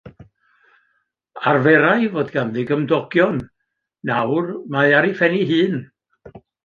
Arferai fod ganddi gymdogion, nawr mae ar ei phen ei hun.